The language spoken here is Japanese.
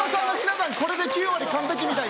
これで器用に完璧みたいな。